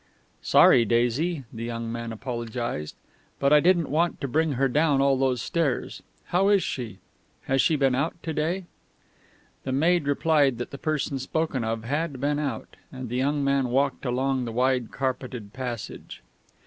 "Sorry, Daisy," the young man apologised, "but I didn't want to bring her down all those stairs. How is she? Has she been out to day?" The maid replied that the person spoken of had been out; and the young man walked along the wide carpeted passage.